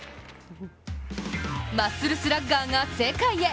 マッスルスラッガーが世界へ！